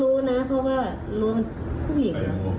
ปุ๊บน่ะเดี๋ยวน่ะเขารู้น่ะเขารู้น่ะเขาว่ารู้มัน